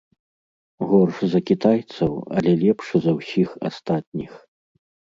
Горш за кітайцаў, але лепш за ўсіх астатніх.